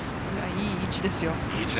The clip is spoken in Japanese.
いい位置ですよ。